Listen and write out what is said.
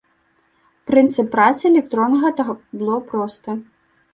Прынцып працы электроннага табло просты.